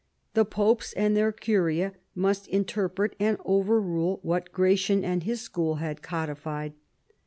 The popes and their curia must inter pret and overrule what Gratian and his school had codified.